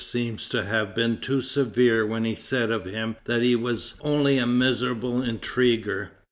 seems to have been too severe when he said of him that he was "only a miserable intriguer."